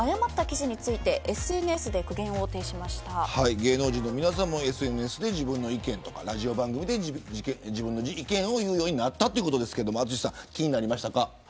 芸能人の皆さんもＳＮＳで自分の意見とかラジオ番組で自分の意見を言うようになったということですけど、淳さん気になりましたか。